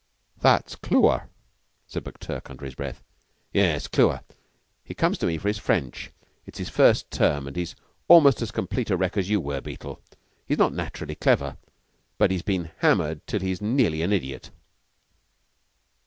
"That's Clewer," said McTurk under his breath. "Yes, Clewer. He comes to me for his French. It's his first term, and he's almost as complete a wreck as you were, Beetle. He's not naturally clever, but he has been hammered till he's nearly an idiot."